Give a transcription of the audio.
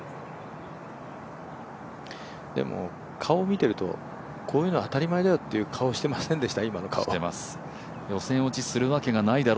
でも顔を見ていると、こういうのは当たり前だよという顔をしていませんでした？